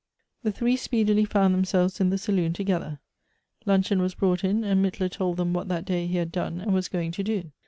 The three speedily found themselves in the saloon to gether. Luncheon was brought in, and Mittler told them what that day he had done, and was going to do.